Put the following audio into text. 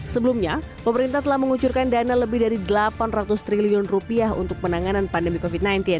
sebelumnya pemerintah telah mengucurkan dana lebih dari delapan ratus triliun rupiah untuk penanganan pandemi covid sembilan belas